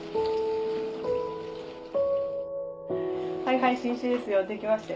はいはい新酒ですよ